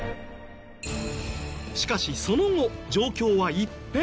しかしその後状況は一変。